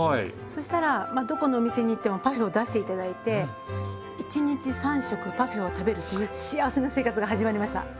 そしたらまあどこの店に行ってもパフェを出して頂いて一日３食パフェを食べるという幸せな生活が始まりました。